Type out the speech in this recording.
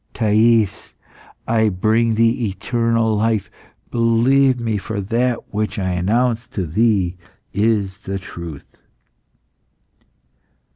"Thais, I bring thee eternal life. Believe me, for that which I announce to thee is the truth."